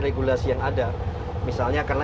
regulasi yang ada misalnya karena